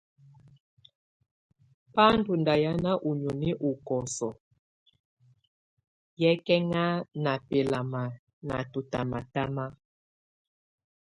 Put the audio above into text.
Bá ndɔ̀ ndà hìána ú nìóni ú kɔsɔɔ̀ yɛkɛŋa ná bɛlama ná tɔtamatama.